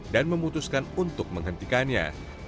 dan memutuskan untuk menghentikannya